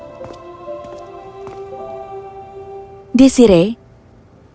dan dia juga menerima pengantinnya